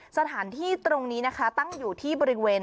สถานที่ตรงนี้นะคะตั้งอยู่ที่บริเวณ